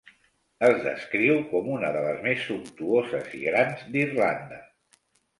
Es descriu com una de les més sumptuoses i grans d'Irlanda.